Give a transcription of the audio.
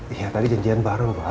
iya tadi janjian bareng pak